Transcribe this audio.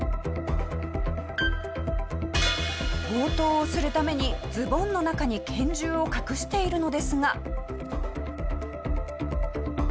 強盗をするためにズボンの中に拳銃を隠しているのですが。